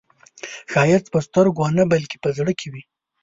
ښایست په سترګو نه، بلکې په زړه کې وي